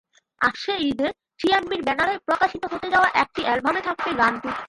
আসছে ঈদে সিএমভির ব্যানারে প্রকাশিত হতে যাওয়া একটি অ্যালবামে থাকবে গানটি।